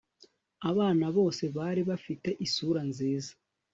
Abana bose bari bafite isura nziza